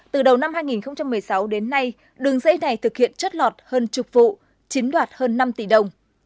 từ đầu năm hai nghìn một mươi sáu đến nay đường dây này thực hiện chất lọt hơn chục vụ chiếm đoạt hơn năm tỷ đồng